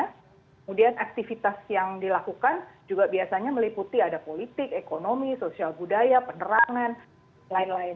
kemudian aktivitas yang dilakukan juga biasanya meliputi ada politik ekonomi sosial budaya penerangan lain lain